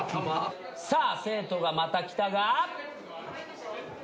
さあ生徒がまた来たが。